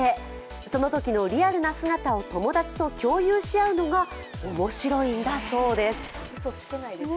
そのときのリアルな姿を友達と共有し合うのが面白いんだそうです。